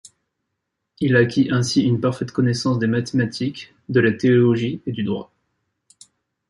Il acquit ainsi une parfaite connaissance des mathématiques, de la théologie et du droit.